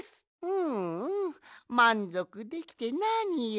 うんうんまんぞくできてなにより。